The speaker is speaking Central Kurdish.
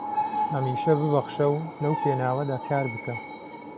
هەمیشە ببەخشە و لەو پێناوەدا کار بکە